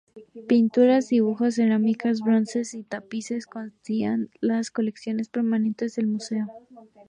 Pinturas, dibujos, cerámicas, bronces y tapices constituían las colecciones permanentes del museo.